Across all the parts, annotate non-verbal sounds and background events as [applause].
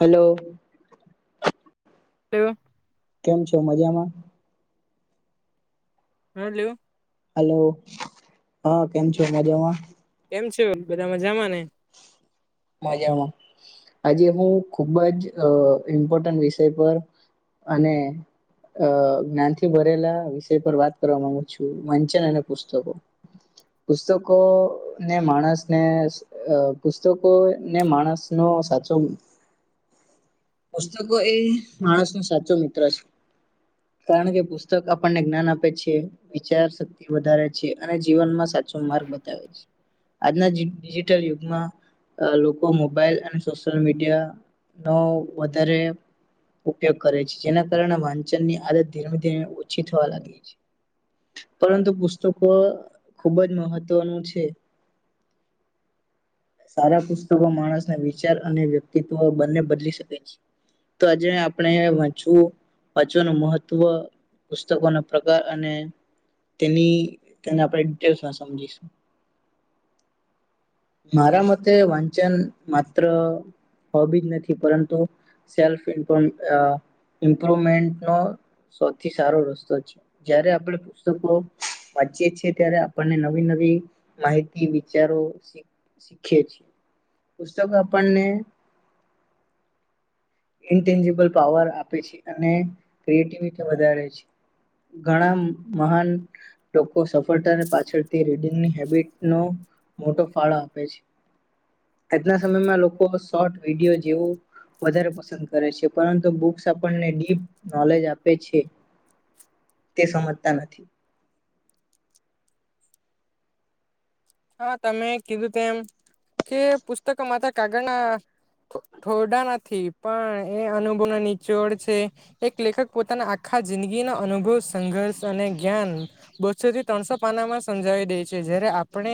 Hello. Hello. કેમ છો, મજા મા? હલો. હલો હા કેમ છો, મજામાં? કેમ છો, બધા મજામાં ને? મજામાં. આજે હું ખુબ જ અહ ઇમ્પોર્ટન્ટ વિષય પર અને અહ જ્ઞાનથી ભરેલા વિષય પર વાત કરવા માંગુ છું, વંચન અને પુસ્તકો. પુસ્તકો ને માણસને અહ પુસ્તક કો ને માણસ નો સાચો પુસ્તકો એ માણસ નો સાચો મિત્ર છે. કારણ કે પુસ્તક આપણને જ્ઞાન આપે છે, વિચાર શક્તિ વધારે છે અને જીવનમાં સાચો માર્ગ બતાવે છે. આજનાજી ડિજિટલ યુગમાં અહ લોકો મોબાઈલ અને સોશિયલ મીડિયા નો વધારે ઉપયોગ કરે છે. જેના કારણે વાંચનની આદત ધીમે ધીમે ઓછી થવા લાગી છે. પરંતુ પુસ્તકો ખુબ જ મહત્વનું છે. સારા પુસ્તકો માણસને વિચાર અને વ્યક્તિત્વ બંને બદલી શકે છે. તો આજે આપણે વાંચવું, વાચવાનું મહત્વ, પુસ્તકોનો પ્રકાર અને તેની તેને આપડે ડિટેલ્સ માં સમજીશું. મારા માં ટે વાંચન માત્ર હોબી જ નથી પરંતુ સેલ્ફ ઇ્પ અહ ઇમ્પ્રુવમેન્ટ નો સૌથી સારો રસ્તો છે. જયારે આપણે પુસ્તકો વાંચીએ છે ત્યારે આપણને નવી નવી માહિતી વિચારો સી સી ખે છે. પુસ્તકો આપણને ઈનટેનજીબલ પાવર આપે છે અને ક્રિએટિવિટી વધારે છે. ઘણા મહાન લોકો સફળતાને પાછળથી રીડિંગની હેબિટ નો મોટો ફાળો આપે છે. આજના સમયમાં લોકો શોર્ટ વિડીયો જેવું વધારે પસંદ કરે છે. પરંતુ બુક્સ આપણને ડીપ નોલેજ આપે છે, તે સમજતા નથી. હા, તમે કીધું તેમ કે પુસ્તકો માતા કાગળના થો-થોરડા નથી પણ એ અનુભવના નીચોળ છે. એક લેખક પોતાના આખા જિંદગીનો અનુભવ સંઘર્ષ અને જ્ઞાન બસો થી ત્રણસો પાનામાં સમજાવી દે છે. જ્યારે આપણે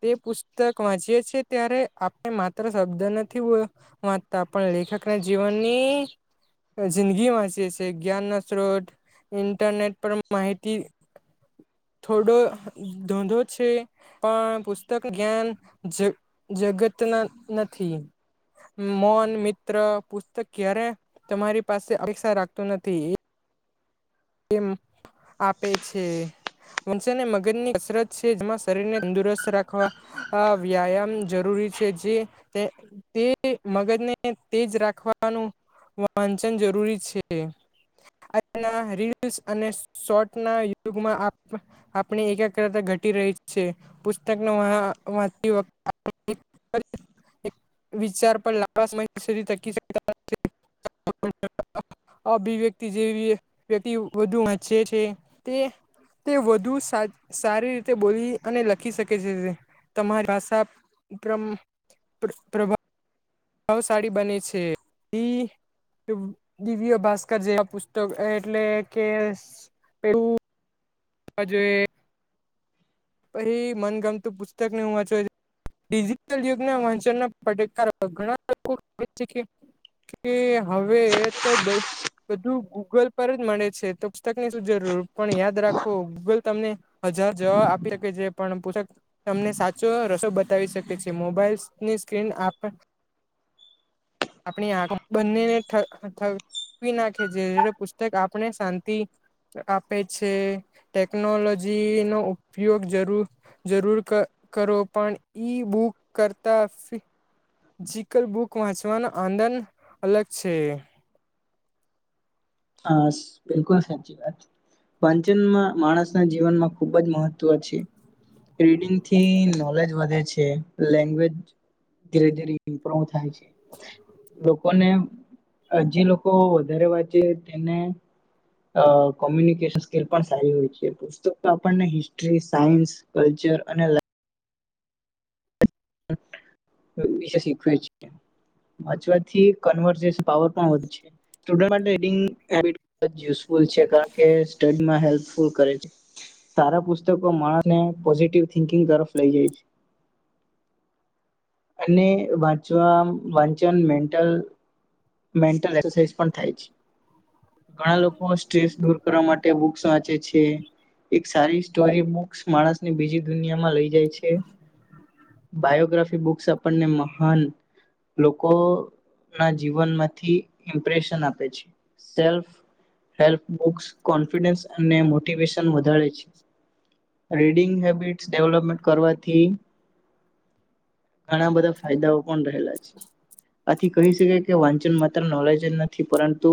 તે પુસ્તક વાંચીએ છીએ ત્યારે આપણે માત્ર શબ્દ નથી વો-વાંચતા પણ લેખકના જીવનની જિંદગી વાંચીએ છીએ. જ્ઞાન ના સ્ત્રોત ઇન્ટરનેટ પર માહિતી થોડો ધોંધો છે. પણ પુસ્તક જ્ઞાન જ જગતના નથી મન મિત્ર પુસ્તક ક્યારે તમારી પાસે અપેક્ષા રાખતું નથી. આપે છે વંચન એ મગજ ની કસરત છે જેમાં શરીરને તંદુરસ્ત રાખવા વ્યાયામ જરૂરી છે જે તે મગજને તેજ રાખવાનું વંચન જરૂરી છે. ના યુગમાં આપણી એકાગ્રતા ઘટી રહી છે પુસ્તક વિચાર પર લા સમ અભિવ્યક્તિ જેવી. વધુ વાચે છે તે તે વધુ સારી રીતે બોલી અને લખી શકે છે તમારી ભાષા પ્રભ ભાવશાળી બને છે દિવ્ય ભાસ્કર જેવા પુસ્તક એટલે કે આ જો એ પછી મનગમતું પુસ્તક ને હું વાંચ ડિજિટલ યુગના વાંચનના પકાર ઘણા લોકો કે હવે તો બધું ગૂગલ પર જ મળે છે તો પુસ્તક ની શું જરૂર પણ યાદ રાખો ગૂગલ તમને હજ જો પણ પતક તમને સાચો રસો બતાવી શકે છે મોબાઈલ ની સ્ક્રીન આપ આપણી આંખ બંનેનેવી નાખે જે પુસ્તક આપણે શાંતિ આપે છે ટેકનોલોજી નો ઉપયોગ જરૂર જરૂર કરો પણ ઈ બુક કરતા મેજીકલ બુકમાં ચવાનો આંદંદ અલગ છે. હા બિલકુલ સાચી વાત વંચનમાં માણસના જીવનમાં ખુબ જ મહત્વ છે રીડિંગથી નોલેજ વધે છે લેંગ્વેજ ધીરે ધીરે ઇમ્પ્રુવ થાય છે. લોકોને હજી લોકો વધારે વાંચે તેને કોમ્યુનિકેશન સ્કીલ પણ સારી હોય છે પુસ્તકો આપણને હિસ્ટ્રી સાયન્સ કલ્ચર અને હમેશા શીખવી જોઈએ, વાચવાથી કનવરઝેશન પાવર પર પણ વધે છે, સ્ટુડન્ટ માટે હેડિંગ [unintelligible] સ્કૂલ છે કારણ કે સ્ટડીમાં હેલ્થ કરે છે સારા પુસ્તકો માણસને પોઝિટિવ થિંકિંગ તરફ લઈ જાય છે. અને વાચ વાંચન મેન્ટલ એસરસાઇઝ પણ થાય છે. ઘણા લોકો સ્ટ્રેસ દૂર કરવા માટે બક્સ વાંચે છે એક સારી સોરી બુક્સ માણસની બીજી દુનિયામાં લઈ જાય છે. બાયોગ્રાફી બુક્સ આપણને મહાન લોકો ના જીવનમાંથી ઇમ્પ્રેશન આપે છે, સેલ્ફ હેલ્ બુક્સ કોન્ફિડન્સ અને મોટિવેશન વધ ધારે છે. રીડિંગ હેબિટ્સ ડેવલપમેન્ટ કરવાથી. ઘણા બધા ફાયદાઓ. પણ રહેલા છે, અત થી કહી શ કે વાંચન માત્ર નોલેજ જ નથી પરંતુ,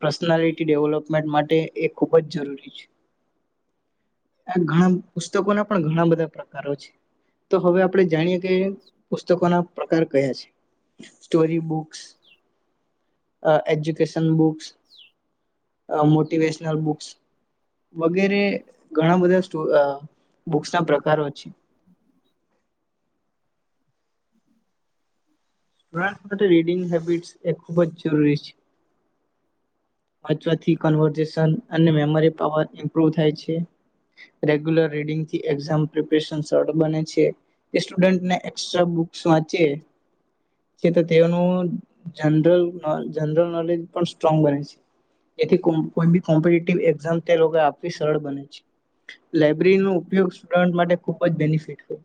પર્સનાલિટી ડેવલપમેન્ટ માટે એ ખૂબ જ જરૂરી છે ઘણા ણા પુસ્તકોના પણ ઘણા બધા પ્રકારો છે તો હવે. આપણે જાણીએ. કે પુસ્તકો ના પ્રકાર. યા છે સ્ટોરી બુક્. એજ્યુકે. સનબોક્સ. મોટિવેશનલ બુક્સ વગેરે ઘણા બધા બુક્સ ના પ્રકારો છે. સ્ટુડન્ટ સાથે રીડિંગ હેબિટસ એ ખૂબ જરૂરરી છે. વાંચવાથી કન્વર્ઝેશન અને મેમરી પાવર ઇમ્પ્રુવ થાય છે રેગ્યુલર રીડિંગથી એક્ઝામ પ્રિપરેશન સરળ બને છે તે સ્ટુડન્ટને એક્સ્ટ્રા બુક્સ વાંચે છે તો તેઓનું જનરલ જનરલ નોલેજ પણ સ્ટ્રોંગ બને છે જેથી કોમેન્ટેટર એક્સામ તે લોકોએ આપવી સરળ બને છે, લબ્રેરીનો ઉપયોગ સ્ટુડ માટે ખૂબ જ બેનફિટ હોય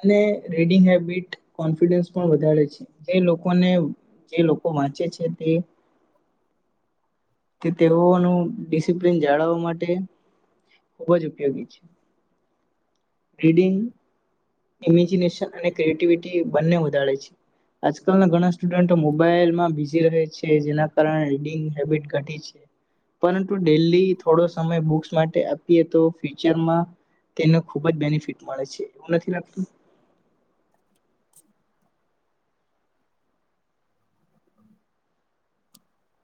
અને રેડિંગ હબિટ, કોન્ફિડન્સ પણ વધારે છે જે લોકોને જે લોકો વાંચે છે તે. તે તેઓનું ડિસિપ્લિન જાળવવા માટે ખૂબ જ ઉપયોગી છે રીડિંગ ઇમેજિનેશન અને ક્રિએટિવિટી બંને વધારે છે, આજકાલના ઘણા સ્ટુડન્ટ મોબાઈલમાં બિઝી રહે છે જેના. કારણે રીડિંગ હેબિટ ઘટી છે, પરંતુ ડેલી થોડો સમય બસ માટે આપીએ તો ફ્યુચર તેને ખુબ જ બેનફિટ મળે છે એવું નથી લાગતું.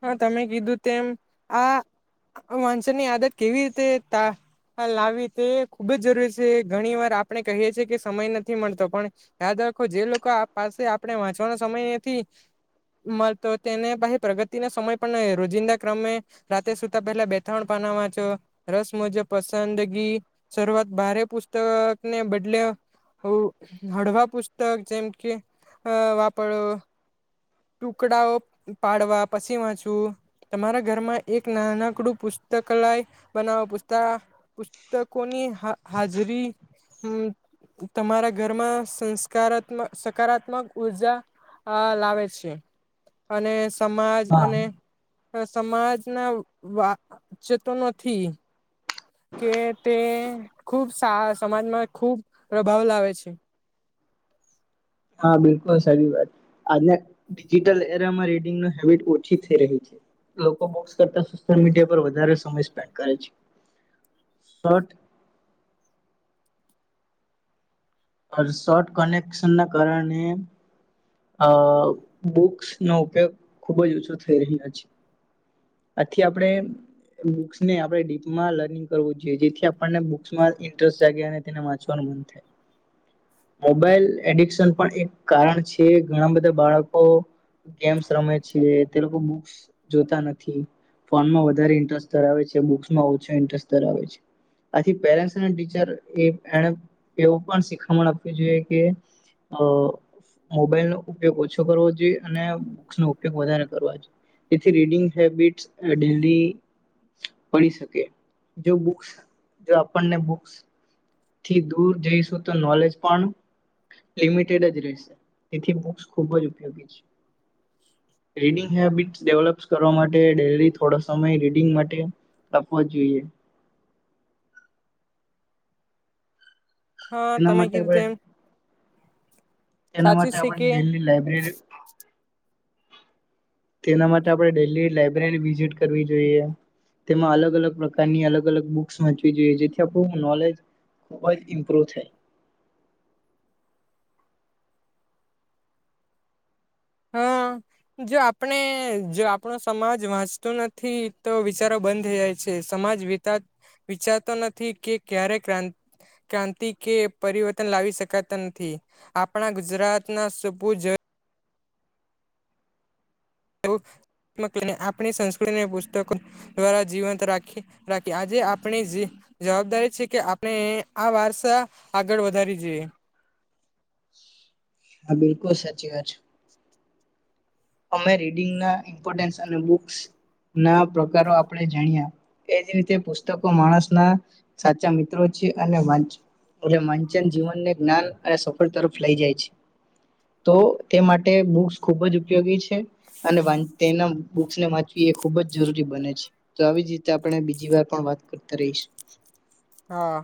હા તમે કીધું તેમ આ વાંચનની આદત કેવી રીતે લાવી તે ખુબ જ જરૂરી છે ઘણી વાર આપણે કહીએ છીએ, કે સમય નથી મળતો પણ યાદ રાખો જે લોકો આ પાસે આપણે વાંચવાનો સમય નથી મળતો તેને ભ પ્રગતિ. સમ રોજિંદા ક્રમે રાતે સુતા પહેલા બેથાણ પાના વાંચો રસ મુજ પસંદગી શરૂઆત, ભારે પુસ્તકને બદલે હળવા પુસ્તક જેમ કે વાપરો ટુકડાઓ પાડવા. પછી વાંચવું તમારા ઘરમાં એક નાનકડું પુસ્તકાલય બનાવ પ પુસ્તકોની હાજરી તમારા ઘરમાં સંસ્કારાત્મ સકારાત્મક ઉર્જા લાવે છે અને સમા હા અને સમાજના વાચતો નથી કે તે ખુબ સમાજમાં ખૂબ પ્રભાવ લાવે છે હા, બિલકુલ સારી વાત આજના ડિજિટલ એરામાં રીડંગ હેબિટ ઓછી થઈ રહી છે, લોકો બક્સ કરતા સોશલ મીડિયા પર વધારે સમય સ્પેન્ડ કરે છે શોર્ટ કનેક્શન ના કારણે અ બુક્સ નો ઉપયોગ ખુબ જ ઓછો થઈ રહ્યો છે આથી આપણે બુકસને આપણે ડીપમાં લર્નિંગ કરવું જોઈએ જેથી આપણને બસમાં ઇન્ટરેસ્ટ જાગે અને તેને વાંચવાનું મન થાય મોબાઈલ એડિકશન પણ એક કારણ છે ઘણા બધા બાળકો ગેમ્સ રમે છે તે લોકો બુક્સ જોતા નથી ફોનમાં વધારે ઇન્ટરેસ્ટ ધરાવે છે, બુક્સમાં ઓછો ઇન્ટરેસ્ટ ધરાવે છે આથી પેરેન્ટ્સ અને ટીચર એ એવું પણ શીખામણ આપવી જોઈએ કે અ મોબાઈલ નો ઉપયોગ ઓછો કરવો જોઈએ અને બુક્સનો ઉપયોગ વધારે કરવો જોઈએ જેથી રીડિંગ હેબિટસ ડેઇલી પડી શકે જોબુક્સ આપણને બુક્સ થી દૂર જઈશું તો નોલેજ પણ લિમિટેડ જ રહેશે તેથી બુક્સ ખૂબ જ ઉપયોગી છે, રીડિંગસ હેબિટસ ડેવલપ કરવા માટે ડેરી થોડો સમય રીડિંગ માટે આપવા જોઈએ હા એના તમે માટે કીધું આપણે તેમ એના સાચું માટે છે આપણે કે દિલ્હી લાઈબ્રેર તેના માટે આપણે ડેઈલી લાઈબ્રેરી વિઝિટ કરવી જોઈએ, તેમાં અલગ અલગ પ્રકારની અલગ અલગ બુક્સ વાંચવી જોઈએ જેથી આપણું નોલેજ ખૂબ જ ઇમ્પ્રુવ થાય હા, જો આપણે જો આપણો સમાજ વાંચતો નથી તો વિચારો બંધ થઈ જાય છે સમાજ વિ વિચારતો નથી કે ક્યારે ક્રા ક્રાંતિ કે પરિવર્તન લાવી શકાતા નથી આપણા ગુજરાતના સપુજ આપણી સંસ્કૃતિ અને પુસ્તકો દ્વારા જીવંત રાખી રાખી આજે આપણી જવાબદારી છે કે આપણે આ વારસા આગળ વધારી જોઈએ હા બિલકુલ સાચી વાત છે અમે રીડંગના ઇમ્પોર્ટન્સ અને બુક્સ ના પ્રકારો આપણે જાણ્યા એજ રીતે પુસ્તકો માણસના સાચા મિત્રો છે અને એ વાંચન જીવનને જ્ઞાન અને સફળ તરફ લઈ જાય છે તો તે માટે બુક્સ ખૂબ જ ઉપયોગી છે અને તેના બુને વાંચવી એ ખુબ જ જરૂરી બને છે, તો આવી જ રીતે આપણે બીજી વાર પણ વાત કરતા રહીશું હા